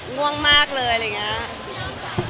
สวัสดีครับ